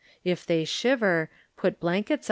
If they shiver, put blankets